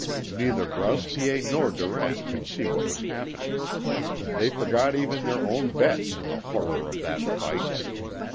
Neither Grouse Piet nor Durant could see what was happening. They forgot even their own bets in the horror of that fight.